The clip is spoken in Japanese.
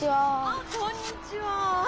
あっこんにちは。